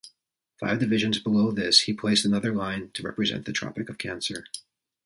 Five divisions below this he placed another line to represent the tropic of Cancer.